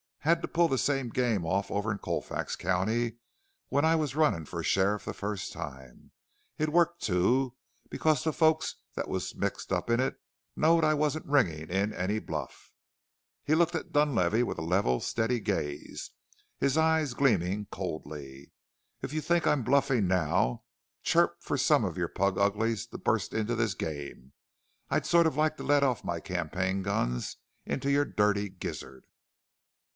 Had to pull the same game off over in Colfax County when I was runnin' for sheriff the first time. It worked, too, because the folks that was mixed up in it knowed I wasn't ringing in any bluff." He looked at Dunlavey with a level, steady gaze, his eyes gleaming coldly. "If you think I'm bluffing now, chirp for some one of your pluguglies to bust into this game. I'd sort of like to let off my campaign guns into your dirty gizzard!"